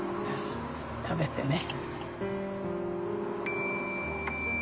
食べてね。